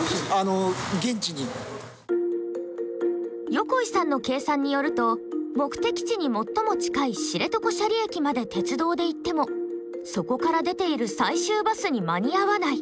横井さんの計算によると目的地に最も近い知床斜里駅まで鉄道で行ってもそこから出ている最終バスに間に合わない。